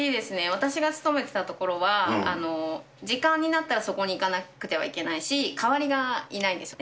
私が勤めてたところは、時間になったらそこに行かなくてはいけないし、代わりがいないんですよ。